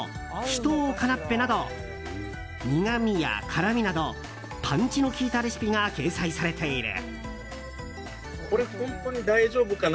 酒盗カナッペなど苦みや辛みなどパンチの効いたレシピが掲載されている。